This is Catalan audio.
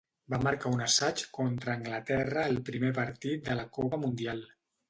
Va marcar un assaig contra Anglaterra al primer partit de la Copa Mundial.